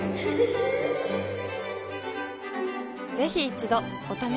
ぜひ一度お試しを。